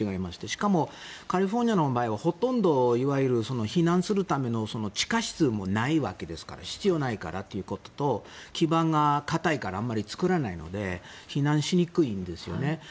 しかも、カリフォルニアの場合はほとんどいわゆる避難するための地下室もないわけですから必要ないからということと基盤が固いからあまり作らないので避難しにくいんですよね。